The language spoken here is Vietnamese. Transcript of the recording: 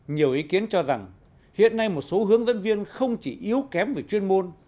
nhiều ý kiến cho rằng hiện nay một số hướng dẫn viên không chỉ yếu kém về chuyên môn